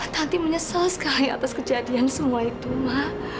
tanti menyesal sekali atas kejadian semua itu ma